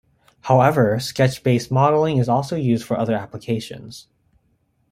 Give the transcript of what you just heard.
However, sketch-based modeling is also used for other applications.